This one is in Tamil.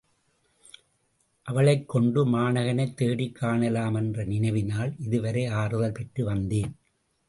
அவளைக் கொண்ட மாணகனைத் தேடிக் காணலாம் என்ற நினைவினால் இதுவரை ஆறுதல் பெற்று வந்தேன்.